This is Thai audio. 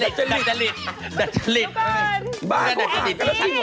ดัจจริตก็แล้วช่างเพลงเหรอแอบที่